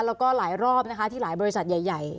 แล้วก็หลายรอบนะคะที่หลายบริษัทใหญ่